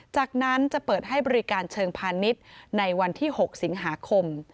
จากนั้นจะเปิดให้บริการเชิงพาณิชย์ในวันที่๖สิงหาคม